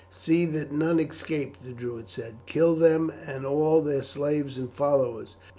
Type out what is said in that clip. "See that none escape," the Druid said. "Kill them and all their slaves and followers.